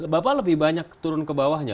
bapak lebih banyak turun ke bawahnya